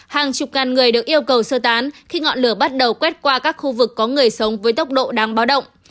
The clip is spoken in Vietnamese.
hàng chục ngàn người được yêu cầu sơ tán khi ngọn lửa bắt đầu quét qua các khu vực có người sống với tốc độ đáng báo động